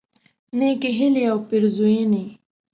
نیکی هیلی او پیرزوینی